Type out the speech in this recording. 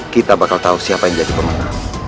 kita bakal tahu siapa yang jadi pemenang